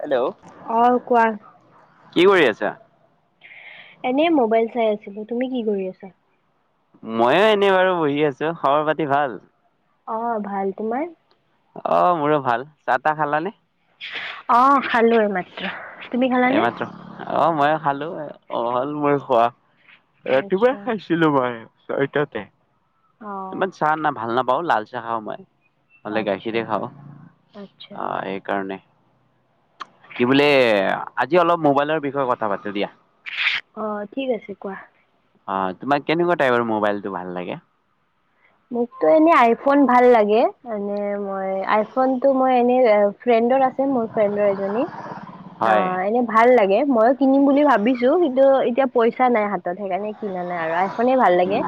Hello. অ', কোৱা কি কৰি আছা? এনেই মোবাইল চাই আছিলোঁ। তুমি কি কৰি আছা? মই এ, এনেই বাৰু বহি আছোঁ। খবৰ পাতি ভাল? অ', ভাল। তোমাৰ? অ', মোৰো ভাল। চাহ-তাহ খালা নে? অ', খালোঁ এইমাত্ৰ এইমাত্ৰ অ', মইও খালোঁ। এ, অ', হ'ল মই খোৱা ৰাতিপুৱাই আচ্ছা। খাইছিলোঁ মই ছয়টাতেই অ' ইমান চাহ না ভাল নাপাওঁ লাল চাহ খাওঁ মই। হ'লে আচ্ছা গাখীৰে খাওঁ আচ্ছা অহ, সেইকাৰণে। কি বোলে আজি অলপ মোবাইলৰ বিষয়ে কথা পাতো দিয়া। অ', ঠিক আছে কোৱা। অ', তোমাক কেনেকুৱা টাইপৰ মোবাইলটো ভাল লাগে? মোকটো এনে আইফোন ভাল লাগে মানে মই আইফোনটো মই এনে অ' ফ্ৰেণ্ডৰ আছে, মোৰ ফ্ৰেণ্ডৰ এজনী হয় অ', এনে ভাল লাগে। ময়ো কিনিম বুলি ভাবিছো কিন্তু এতিয়া পইচা নাই হাতত সেইকাৰণে কিনা নাই আৰু আইফোনে ভাল লাগে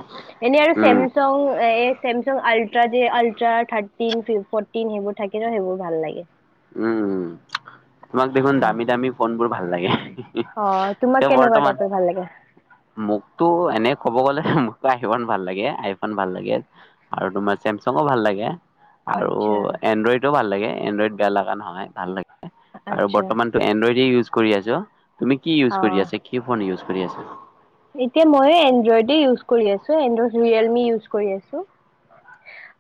এনেই আৰু উম চেমচং এই চেমচাং আল্ট্ৰা যে আল্ট্ৰা থাৰ্টিন ফ'টিন সেইবোৰ থাকে ন' সেইবোৰ ভাল লাগে। উম, তোমাক দেখোন দামী দামী ফোনবোৰ ভাল লাগে। অ তোমাক এতিয়া কেনেকুৱা বৰ্তমান টাইপৰ ভাল লাগে মোকটো এনে ক'ব গ'লে আসিবন ভাল লাগে, আইফোন ভাল লাগে আৰু তোমাৰ চেমচাঙো ভাল লাগে। আৰু আচ্ছা এণ্ড্ৰ'ইডো ভাল লাগে। এণ্ড্ৰইড বেয়া লাগা নহয় ভাল লাগ আৰু আচ্ছা বৰ্তমানটো এণ্ড্ৰইডে ইউজ কৰি আছোঁ। তুমি কি ইউজ অ কৰি আছা? কি ফোন ইউজ কৰি আছ এতিয়া মই এ এণ্ড্ৰইডে ইউজ কৰি আছো এণ্ড্ৰইড ৰিয়েলমি ইউজ কৰি আছো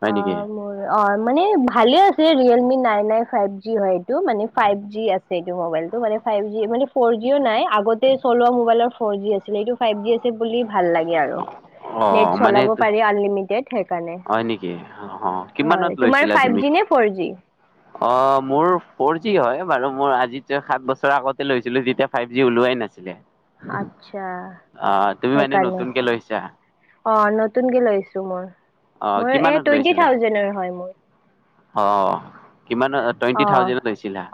হয় অ নেকি মোৰ অ মানে ভালে আছে Realme nine nine five G হয় এইটো মানে ফাইভ জি আছে এইটো মবাইলটো মানে ফাইভ জি মানে ফ'ৰ জিও নাই আগতে চলোৱা মোবাইলৰ ফ জি আছিলে এইটো ফাইভ জি আছ লি বুলি ভাল লাগে আৰু অ নে মানে চালাব তু- পাৰি আনলিমিটেড হে কাৰ হয় নেকি অ কিমানত তোমাৰ লৈছিলা ফাইভ তুমি জি নে ফ'ৰ জি অ মোৰ ফৰ জি হয় বাৰু মোৰ আজি তে সাত বছৰ আগতে লৈছিলো তেতিয়া ফাইভ জি ওলোৱাই নাছিলে আচ্ছা অ তুমি মানে সেইকাৰণে নতুনকে লৈছা অ নতুনকে লৈছো মই অ মই এ টুৱেন্টি থাউজেনৰ হয় মোৰ অ অ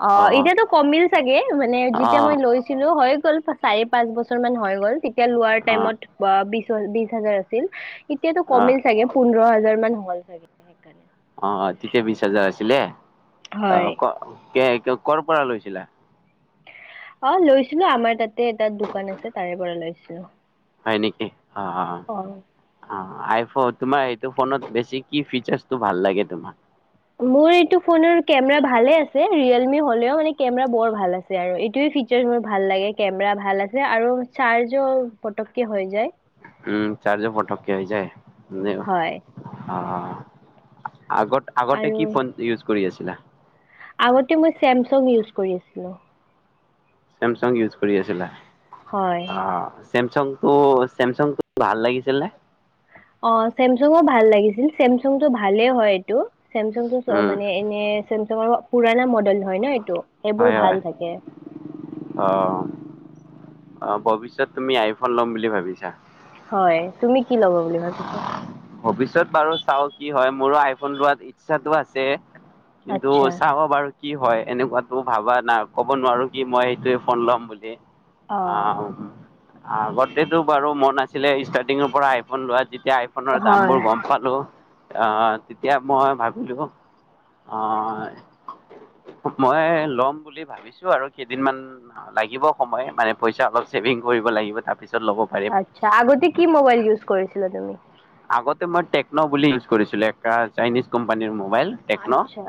অ এতিয়াতো কমিল চাগে মানে যেতিয়া অঁ মই লৈছিলো হয় গ'ল চাৰি পাঁচ বছৰ মান হৈ গ'ল তেত তিয়া লোৱাৰ অঁ টাইমত বা বি বিশ হাজাৰ আছিল এতিয়াতো অঁ কমিল চাগে পোন্ধৰ হাজাৰ মান হল চাগে সেইকাণে অ অ ততিয়া বিছ হাজাৰ আছিলে অ হয় ক কে কৰ' পৰা লৈছিলা অ লৈছিলো আমাৰ তাত তে তাত দোকান আছে তাৰে পৰা লৈছ অহ হয় নেকি অ অ অ আই ফ তোমাৰ সেইটো ফোনত বেছি কি ফিচাৰটো ভাল লাগে তোমাৰ মোৰ এইটো ফোনৰ কেমেৰা ভালে আছে ৰিয়েলমি হলেও মানে কেমেৰা বৰ ভাল আছে আৰু এইটোৱে ফিচাৰ মোৰ ভাল লাগে কেমেৰা ভাল আছে আৰ চাৰ্জো পটকে হৈ যায় উম চাৰ্জো পটকে হৈ যায় নিল হয় অঁ অঁ আগত আগতে আৰু কি ফোন ইউজ কৰি আছ লা আগতে মই চেমচং ইউজ কৰি আছিলো চামচং ইউজ কৰি আছিলা হয় অ। ছেমছাংটো ছেমছাংটো ভাল লাগিছিল নে? অ ছেমছংও ভাল লাগিছিল ছেমছং টো ভালেই হয় এইটো ছেমছংটো উম মানে এনে ছেমছংৰ পুৰণা মডেল হয় ন এইটো। সেইবোৰ হয় ভাল হয় থাকে অ। অ ভৱিষ্যত তুমি আইফোন ল'ম বুলি ভাবিছা। হয় তুমি কি ল'ব বুলি ভাবিছা ভৱিষ্যত বাৰু চাওক। কি হয় মোৰো আইফোন লোৱাত ইচ্ছাটো আছে। কিন্তু আচ্ছা চাব বাৰু কি হয় এনেকুৱাতো ভাবা না ক'ব নোৱাৰো কি মই এইটোয়ে ফোন ল'ম বুলি। অ [unintelligible] আগতেটো বাৰু মন আছিলে ষ্টাৰ্টিঙৰ পৰা আই- ফোন লোৱা। যেতিয়া আইফোনৰ দাম হয় বোৰ গম পালো। অ তেতিয়া মই ভাবিলো অঁ মই লম বুলি ভাবিছো আৰু কেইদিনমান লাগিব সময় মানে পইচা অলপ ছেভিং কৰিব লাগিব, তাৰ আতছা আগতে কি মোবাইল ইউজ কৰিছিলা তুমি? আগতে মই টেকন' বুলি ইউজ কৰিছিলো এ চাইনিজ কোম্পানীৰ মোবাইল টেকন'। আচ্ছা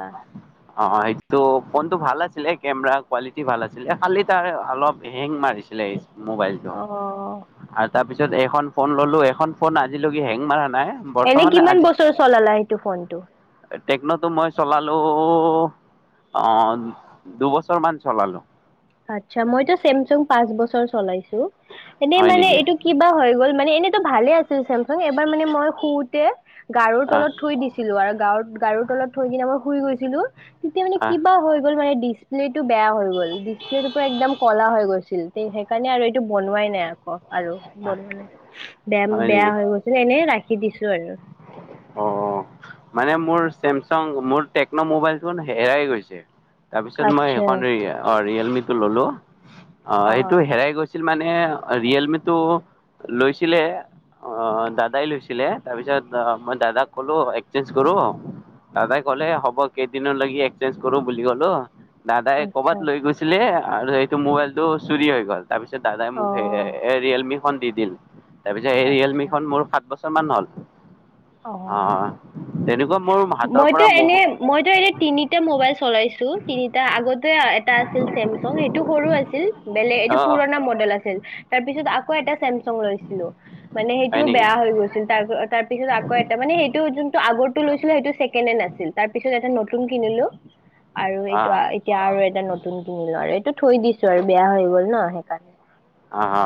অ সেইটো ফোনটো ভাল আছিলে কেমেৰা কোৱালিটি ভাল আছিলে খালি তাৰ অলপ হেং মাৰিছিলে মোবাইলটো অ আৰু তাৰপিছত এখন ফোন ললো এ খন ফোন আজিলৈকে হেং মাৰা না এনে কিমান বছৰ চলালা এইটো ফোনটো? ট্ৰেকন'তটো মই চলালো অ দুবছৰ মান চলালো। আতছা মইতো ছেমছোং পাঁচ বছৰ চলাইছো। এনে হয় মানে নেকি এইটো কিবা হৈ গ'ল মান এনেতো ভালে আছে। ছেমছাং এইবাৰ মানে মই শুওতে গাৰুৰ আহ তলত থৈ দিছিলো আৰু গাৰো গাৰুৰ তলত থৈ কিনে মই শুই গৈছিলো। তেতিয়া মানে আহ কিবা হৈ গ'ল মানে, ডিচপ্লেটো বেয়া হৈ গ'ল।। টো পৰা একদম কলা হৈ গৈছিল সেইকাৰণে আৰু এইটো বনোৱাই নাই আকৌ আৰু ব মানে বেয়া হয় বেয়া নেকি হৈ গৈছে এনেই ৰাখি দিছো আৰু অ মানে মোৰ চেমচাং মোৰ টেকন' মোবাইল ফোন হেৰাই গৈছে তাৰপিছত মই আচ্ছা সেইখন অ ৰিয়েলমি ত ললো অ এইটো হেৰাই গৈছিল মানে ৰিয়েলমিত তটো লৈছিলে অ দাদাই লৈছিলে তাৰপিছত দাদাক কলো এক্সেঞ্জ কৰো দাদাই কলে হব কেইদিন লাগি এক্সেঞ্জ কৰো ব বুলি গলো দাদাই কৰবাত আচ্ছা লৈ গৈছিলে আৰু সেইটো মোবাইলটো চুৰি হৈ গ'ল তাৰপিছত দাদাই অ মোক এ ৰিয়েলমি ফোন দি দিল তাৰপিছত এই আচ্ছা ৰিয়েলমিখন মোৰ সাত বছৰ মান হ'ল অ অ তেনেকুৱা মোৰ হাতৰ মইতো পৰা মোৰ এনে মইতো এনে তিনিটা মোবাইল চলাইছো তিনিটা আগতে এটা আছিল চেমচং সেইটো সৰু আছিল বেলেগ এইটো অ', পুৰণা মডেল আছিল তাৰপিছত আকৌ এটা চেম চং লৈছিলো মানে হয় সেইটোও নেকি? বেয়া হৈ গৈছিল তাৰপিছত আকৌ এটা মানে সেইটো যোনটো আগৰটো লৈছিলো ছেকেণ্ডহেণ্ড আছিল তাৰ পিছত এটা নতুন কিনিলো আৰু এইটো অ', এতিয়া আৰু এটা নতুন কিনিলো আৰু এইটো থৈ দিছো আৰু বেয়া হৈ গ'ল ন সে [inaudible] অ অ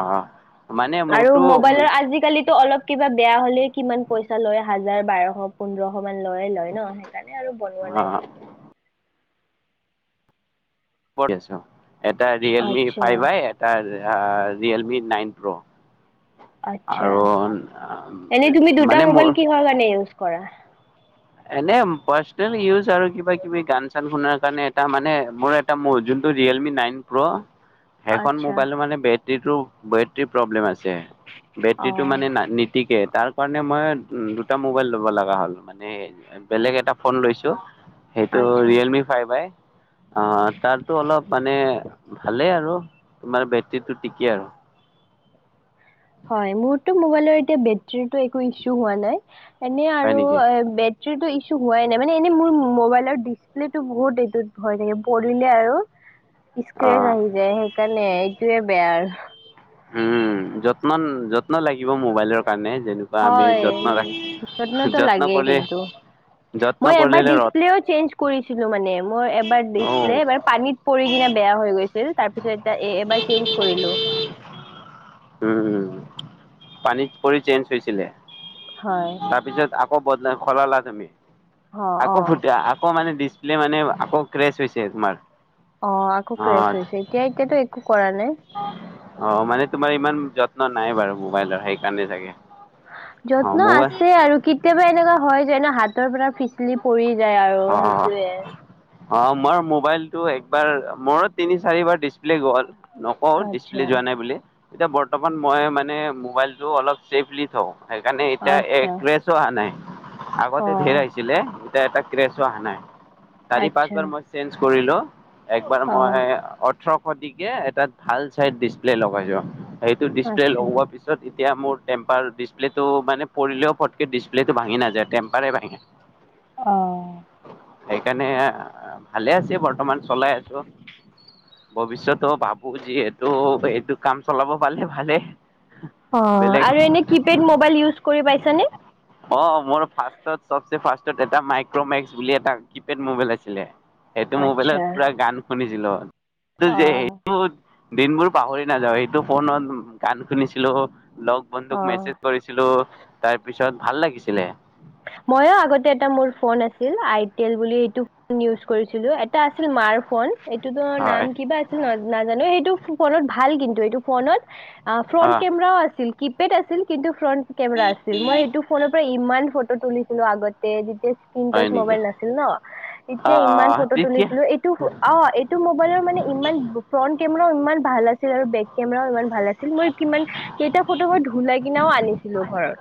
অ মানে আৰু মোৰতো মোবাইলৰ আজিকালি টো অলপ কিবা বেয়া হ'লে কিমান পইচা লৈ আহ হাজাৰ বাৰশ পোন্ধৰশ ইমান লয়ে লয় ন সেইকাৰণে আৰু বনোৱা নাই অ', [inaudible] এটা ৰিয়েলমি আচ্ছা ফাইভা এটা আ ৰিয়েলমি নাইন প্ৰ' আতছা আৰু এনেই তুমি দুটা মানে মোৰ মোবাইল কিহৰ কাৰণে ইউজ কৰা এনে পাৰ্চনেল ইউজ আৰু কিবা কিবি গান চান শুনাৰ কাৰণে এটা মানে মোৰ এটা যোনটো ৰিয়েলমি নাইন প্ৰ' সেইখন আচ্ছা মোবাইলৰ মানে বে টেটো বেটৰী প্ৰব্লেম আ ছে অ বেটৰীটো মানে নিটিকে তাৰ কাৰণে মই উম, দুটা মোবাইল ল'ব লগা হ'ল মানে বেলেগ এটা ফোন লৈছো। সেইটো আচ্ছা ৰিয়েলমি ফাইভ আই। অ', তাতটো অলপ মানে ভালেই আৰু। তোমাৰ বেটৰীটো টেকে আৰু। হয়, মোৰটো মোবাইলৰ এতিয়া বেটৰীটোৰ একো ইছু হোৱা নাই। এনে হয় আৰু নেকি এ, বে যিটো ইছু হোৱাই নাই মানে এনেই মোৰ মোবাইলৰ ডিচপ্লেটো বহুত এইটোত ভয় থাকে পৰিলে আৰু অ স্ক্ৰেচ আহি যায় সেইকাৰণে সেইটোৱে বেয়া আৰু। হম, যত্ন যত্ন লাগিব মোবাইলৰ কাৰণে। যেনেকুৱা আমি হয় যত্ন ৰাখি যত্নটো যত্ন লাগেই কৰিলে কিন্তু যত্ন মই এবাৰ কৰিলে ৰদ ডিচপ্লেও চেঞ্জ কৰিছিলোঁ মানে মোৰ এবাৰ অ ডিচপ্লে এবাৰ পানীত পৰি কিনে বেয়া হৈ গৈছ ছিল তাৰপিছত এ, এবাৰ চেঞ্জ কৰিলোঁ। উম পানীত পৰি চেঞ্জ হৈছিলে? হয়। তাৰপিছত আকৌ বদলাই সলালা তুমি? অ অ আকৌ [unintelligible] আকৌ মানে ডিচ প্লে মানে আকৌ ক্ৰেছ হৈছে তোমাৰ। অ', আকৌ ক্ৰেছ হৈছে এতিয়া এতিয়াটো একো কৰা নাই। অ', মানে তোমাৰ ইমান যত ন' নাই বাৰু মোবাইলৰ সেইকাৰণেই চাগে। অ যত্ন মোবাইল আছে আৰু কেতিয়াবা এনেকুৱা হয় যে ন' হাত তৰ পৰা ফিচলি পৰি যায় আৰু অ সেইটোৱে। অ', মোৰ মোবাইলটো একবাৰ মোৰো তিনি চাৰিবাৰ ডিচপ্লে গ'ল। নকওঁ আচ্ছা ডিচপ্লে যোৱা নাই বুলি। এতিয়া বৰ্তমান মই মানে মোবাইলটো অলপ ছেফলি থওঁ। সেইকাৰণে এতিয়া এ আচ্ছা ক্ৰেছো অহা নাই, অ আগতে ধেৰ আহি এতিয়া এটা ক্ৰেছো অহা নাই। চাৰি পাঁচ আচ্ছা বাৰ মই চেঞ্জ কৰিলো। একবাৰ অ মই ওঠৰশদিকে এটা ভাল চাইজ ডিচপ্লে লগাই লোৱা। সেইটো ডিছপ্লে আচ্ছা লগোৱাৰ পিছত এতিয়া মোৰ টেম্পাৰ ডিছপ্লেটো মানে পৰিলে পটকৈ ডিছপ্লেটো ভাঙি নাযায় টেম্পাৰে ভাঙে। অ সেইকাৰণে ভালে আছে বৰ্তমান চলাই আছো, ভৱিষ্যত ভাবো যি এইটো-এইটো কাম চলাব পালে ভালে। অ' বেলেগ আৰু এনে কিপেড মবাইল ইজ কৰি পাইছানে? অ মোৰ ফাৰ্ষ্টত ফাৰ্ষ্টত এটা মাইক্ৰমেক্স বুলি এটা কি'পেড মোবাইল আছিলে। সেইটো মোবাইলত আচ্ছা পুৰা গান শুনিছিলো, সেইটো যে অ দিনবোৰ পাহৰি নাযাওঁ, এইটো ফোনত গান শুনিছিলো, লগ বন্ধুক অ মেছেজ কৰিছিলো, তাৰ পিছত পিছত ভাল লাগিছিলে। ময়ো আগতে এটা মোৰ ফোন আছিল আইটেল বুলি সেইটো ফোন ইউজ কৰিছিলো, এটা আছিল মাৰ ফোন। এইটো নাম হয় কিবা আছিল ন নাজানো, সেইটো ফোনত ভাল কিন্তু এইটো, ফোনত অ' ফ্ৰণ্ট কেমেৰাও আছিল। কিপেড আছিল কিন্তু, ফ্ৰণ্ট কেমেৰা আছিল, মই সেইটো ফোনৰ পৰা ইমান ফ তুলিছিলো আগতে। এতিয়া স্কীন টাচ হয় নেকি মোবাইল নাছিল ন, অ তেতিয়া ইমান অ ফটো তেতিয়া তুলিছিলো এইটো অ এইটো মোবাইলৰ মানে ইমান ফ্ৰণ্ট কেমেৰাও ইমান ভাল আছিল, আৰু বেক কেমেৰাও ইমান ভাল আছিল। ছিল মই কিমান কেইটা ফটো মই উলাই কিনাও আনিছিলো ঘৰত।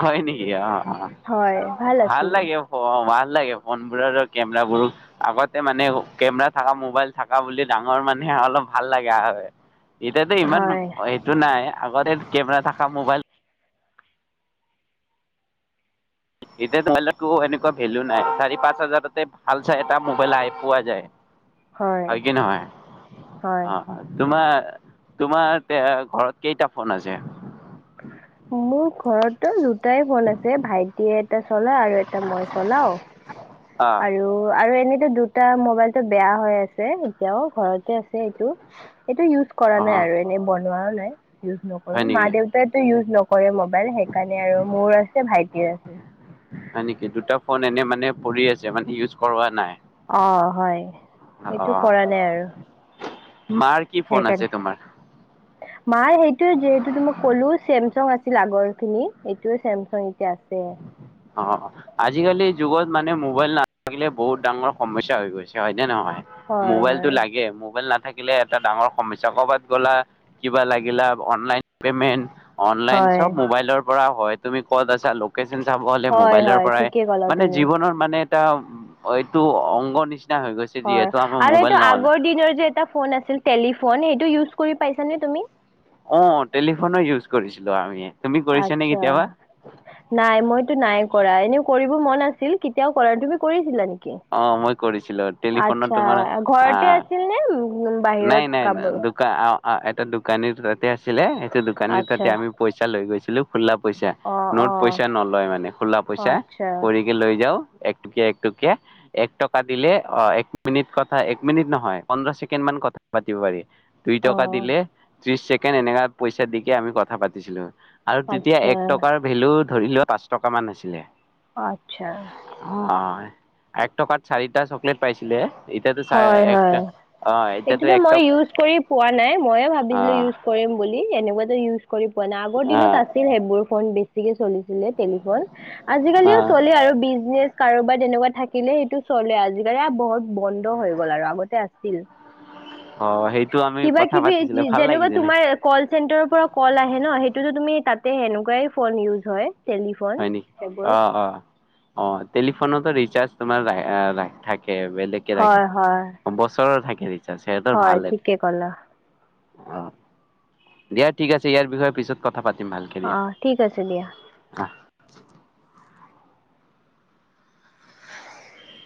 হয় নেকি, অ'-অ' হয় ভাল আছিল লাগে অ' সৰু ম'বাইল। ভাল লাগে ফোনবোৰৰ আৰু কেমেৰাবোৰ আগতে মানে কেমেৰা থকা মোবাইল থকা বুলি ডাঙৰ মানে অলপ ভাল লাগে। এতিয়াতো ইমান হয় এইটো নাই। আগতে কেমেৰা থকা মোবাইল এতিয়া মোবাইলতো এনেকুৱা ভেলু নাই, চাৰি পাঁচ হাজাৰতে ভালচাই এটা মোবাইল আই পোৱা যায়। হয় কি নহয়, হয় অ'-অ' তোমাৰ তোমাৰ এয়া ঘৰত কেইটা ফোন আছে? মোৰ ঘৰত দু দুটাই ফোন আছে, ভাইটিয়ে এটা চলাই আৰু এটা মই চলাওঁ। অ আৰু আৰু এনে দুটা মোবাইলটো বেয়া হৈ আছে, এতিয়াও ঘৰতে আছে এইটো এইটো ইউজ অ কৰা নাই আৰু এনে বনোৱাও নাই। ইউজ হয় নকৰো মা- নেকি দেউতাইটো ইউজ কৰে মোবাইল সেইকাৰণে আৰু মোৰ আছে ভাইটিৰ আছে। হয় নেকি, দুটা ফোন এনে মানে পৰি আছে মানে ইউজ কৰোৱা নাই। অ হয়। অ সেইটো কৰা নাই আৰু। মাৰ কি ফোন আছে তোমাৰ সেইকাৰণে মাৰ সেইটোৱেই যিহেতুো মই ক'লো চেম চেমচং আছিল আগৰ খিনি এইটোয়ে চেমচং এতিয়া আছে। অ' আজিকালি যুগত মানে মোবাইল নাথাকিলে বহুত ডাঙৰ সমস্যা হৈ গৈছে হয়নে নহয়। হয় মোবাইলটো হয় লাগে, মোবাইল নাথ থাকিলে এটা ডাঙৰ সমস্যা কৰবাত গলা কিবা লাগিলা অনলাইন পেমেণ্ট অনলাইন হয় চব মোবাইলৰ হয়, তুমি ক'ত আছা লোকেচন যাব হ'লে হয় মোবাইলৰ হয় পৰাই ঠিকে ক'লা মানে তুমি জীৱনৰ মানে এটা এইটো অংগ নিচিনা হৈ গৈছে হয় যিহেতু আমাৰ আৰু মোবাইল এইটো নহ'লে আগৰ দিনৰ এটা ফোন আছিল, টেলিফোন সেইটো ইউজ কৰি পাইছা নে তুমি? অ' টেলিফোনো ইউজ কৰিছিলো আমি তুমি কৰিছা নে আচ্ছা কেতিয়াবা? নাই মইতো নাই কৰা এনে কৰিব মন আছে। ছিল কেতিয়াও কৰা তুমি কৰিছিলা নেকি? অ' মই কৰিছিলো টেলিফোনত আচ্ছা তোমাৰ আ ঘৰতে আছিল নে উম নাই, বাহিৰত নাই কাব দোক এটা দোকানীৰ তাতে আছিলে সেইটো দোকানীৰ আচ্ছা তাতে আমি পইচা লৈ গৈছিলো। খোলা পইচা, অ নোট অ পইচা নলয় মানে খোলা পইচা আচ্ছা কৰিকে লৈ যাও একটকীয়া, একটকীয়া এক টকা দিলে অ' এক মিনিট কথা, এক মিনিট নহয় পোন্ধৰ ছেকেণ্ড মান কথা পাতিব পাৰি। দুই অ টকা দিলে ত্ৰিশ ছেকেণ্ড এনেকা পইচা দি কে আমি কথা পাতিছিলো। আৰু তেতিয়া আচ্ছা এক টকাৰ ভেলুত ধৰি লও পাঁচ টকামান আছিলে। অ' আচ্ছা। অ এক টকাত চাৰিটা চকলেট পাইছিলে। এতিয়াতো চ হয়, এক হয় অ এতিয়াতো এইটোতো এক মই টক ইউজ কৰি পোৱা নাই, ময়ো ভাৱিছিলো অ ইউজ কৰিম বুলি। এনেকুৱা টো ইউজ কৰি পোৱা নাই আগৰ দিনত অ', আছিল সেইবোৰ ফোন বেছি। ঠিকে চলি টেলিফ আজিকালিও অ', চলে আৰু বিজনেচ কাৰোবাৰ তেনেকুৱা থাকিলে সেইটো চলে আজিকালি বহুত বন্ধ হৈ গ'ল আৰু আগতে আছিল অ', সেইটো আমি কিবা কথা কিবি পাতিছিলে ভাল যেনেকুৱা লাগিছিলে তোমাৰ কল চেণ্টাৰ পৰা কল আহে ন সেইটোতো তুমি তাত তে সেনেকুৱাই ফোন ইউজ হয় টেলিফোন হয় নেকি সেইবোৰ অ' অ' অঁ টেলিফোনতো ৰিচাৰ্চ থাকে এ বেলেগকে থাকে হয় হয় বছৰ থাকে ৰিচাৰ্জ সিহঁতৰ হয় ভাল এইটো ঠিকে কলা অ' দিয়া ঠিক আছে ইয়াৰ বিষয়ে পিছত কথা পাতিম ভালকে দিয়া। অঁ ঠিক আছে দিয়া [unintelligible] [inaudible]